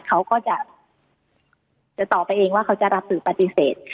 เขาก็จะต่อไปเองว่าเขาจะรับหรือปฏิเสธ